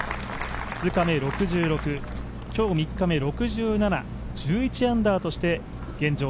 ２日目６６、今日３日目６７、１１アンダーとして現状